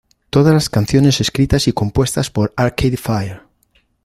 Todas las canciones escritas y compuestas por Arcade Fire.